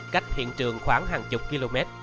cách hiện trường khoảng hàng chục km